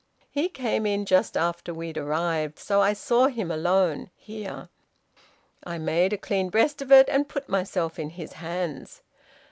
He came in just after we'd arrived. So I saw him alone here. I made a clean breast of it, and put myself in his hands.